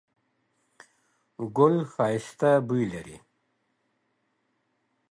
ګل ښایسته بوی لري